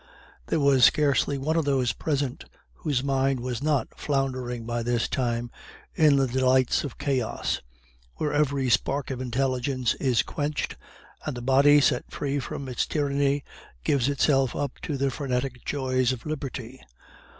There was scarcely one of those present whose mind was not floundering by this time in the delights of chaos, where every spark of intelligence is quenched, and the body, set free from its tyranny, gives itself up to the frenetic joys of liberty.